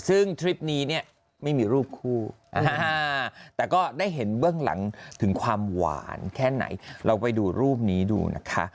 ซึ่งทริปนี้เนี่ยไม่มีรูปคู่แต่ก็ได้เห็นเบื้องหลังถึงความหวานแค่ไหนเราไปดูรูปนี้ดูนะคะ